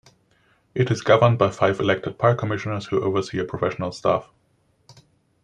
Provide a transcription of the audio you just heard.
It is governed by five elected park commissioners who oversee a professional staff.